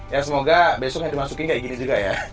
ya semoga besoknya dimasukin kayak gini juga ya